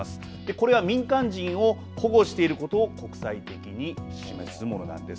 これは民間人を保護していることを国際的に示すものなんです。